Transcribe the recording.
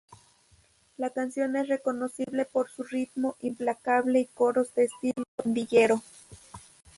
La canción es reconocible por su ritmo implacable y coros de estilo pandillero.